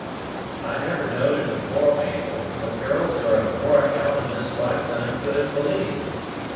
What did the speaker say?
"I never knowed it afore, Mabel; but girls are of more account in this life than I could have believed.